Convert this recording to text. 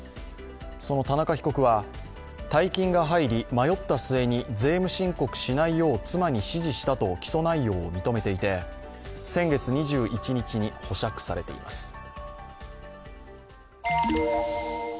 田中被告は、大金が入り、迷った末に税務申告しないよう妻に指示したと起訴内容を認めていて、先月２１日に保釈されています。